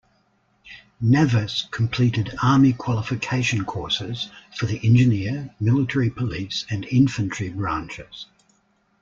Navas completed Army qualification courses for the Engineer, Military Police, and Infantry branches.